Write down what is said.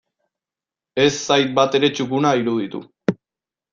Ez zait batere txukuna iruditu.